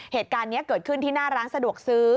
เหตุการณ์นี้เกิดขึ้นที่หน้าร้านสะดวกซื้อ